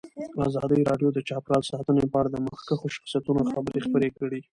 ازادي راډیو د چاپیریال ساتنه په اړه د مخکښو شخصیتونو خبرې خپرې کړي.